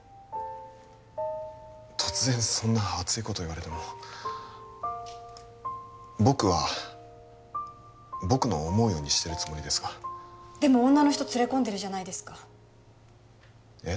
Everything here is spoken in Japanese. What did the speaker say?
突然そんな熱いこと言われても僕は僕の思うようにしてるつもりですがでも女の人連れ込んでるじゃないですかえっ？